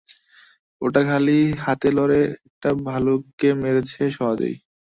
ওটা খালি হাতে লড়ে একটা ভালুককে মেরেছে, সহজেই।